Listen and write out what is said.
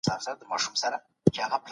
پانګه د پانګي د حاصل د لوړوالي لامل کېږي.